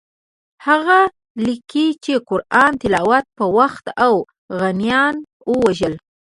هغه لیکي چې د قرآن تلاوت په وخت اوغانیان ووژل.